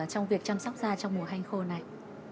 trong việc chăm sóc da trong mùa hanh khô này